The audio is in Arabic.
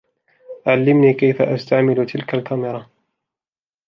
علمني كيف أستعمل تلك الكمرا.